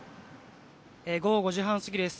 午後５時半過ぎです。